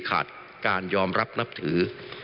ขาดการยอมรับนับถือ